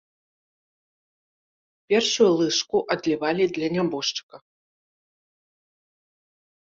Першую лыжку адлівалі для нябожчыка.